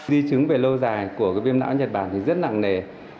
di chứng về lâu dài của cái viêm não nhật bản thì rất nặng nề